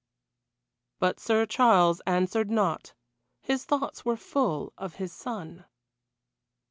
But Sir Charles answered not, his thoughts were full of his son.